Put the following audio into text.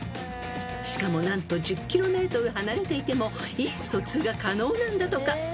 ［しかも何と１０ｋｍ離れていても意思疎通が可能なんだとか］